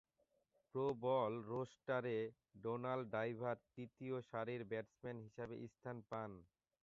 Pro bowl রোস্টারে Donald Driver তৃতীয় সারির ব্যাটসম্যান হিসেবে স্থান পান।